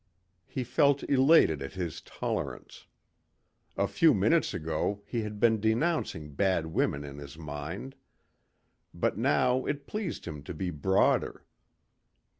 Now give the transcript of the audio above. He felt elated at his tolerance. A few minutes ago he had been denouncing bad women in his mind. But now it pleased him to be broader.